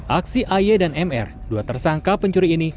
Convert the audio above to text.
aksi aye dan mr dua tersangka pencuri ini